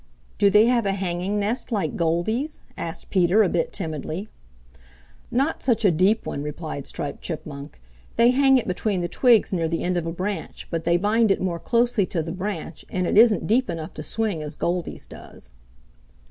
"Do they have a hanging nest like Goldy's?" asked Peter a bit timidly. "Not such a deep one," replied Striped Chipmunk. "They hang it between the twigs near the end of a branch, but they bind it more closely to the branch and it isn't deep enough to swing as Goldy's does."